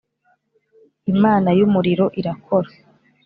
imana y’umuriro irakora